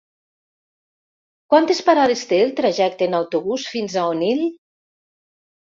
Quantes parades té el trajecte en autobús fins a Onil?